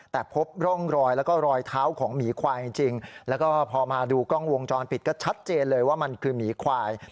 แต่พบร่องรอยแล้วก็รอยเท้าของหมีควายจริงแล้วก็พอมาดูกล้องวงจรปิดก็ชัดเจนเลยว่ามันคือหมีควาย